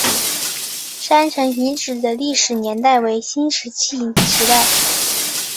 山城遗址的历史年代为新石器时代。